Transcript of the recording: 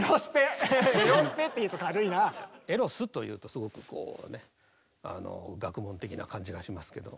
「エロス」というとすごくこうね学問的な感じがしますけど。